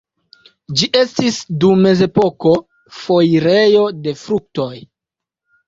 Ĝi estis, dum mezepoko, foirejo de fruktoj.